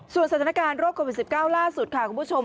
สถานการณ์โรคโควิด๑๙ล่าสุดค่ะคุณผู้ชม